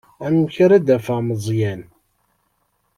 Amek ara d-afeɣ Meẓyan?